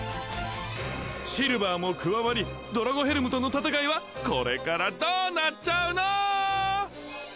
シルヴァーも加わりドラゴヘルムとの戦いはこれからどうなっちゃうのー！？